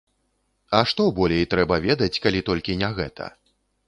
А што болей трэба ведаць, калі толькі не гэта?